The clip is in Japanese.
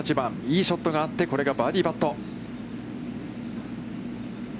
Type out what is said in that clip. いいショットがあって、これがバーディーパット。